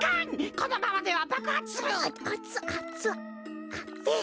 このままではばくはつする！